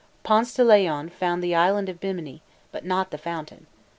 Ponce de Leon found the island of Bimini, but not the fountain.